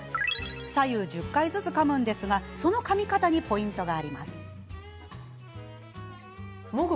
左右１０回ずつかむんですがそのかみ方にポイントが。